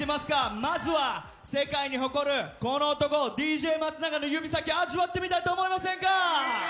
まずは世界に誇るこの男ＤＪ松永の指先味わってみたいと思いませんか？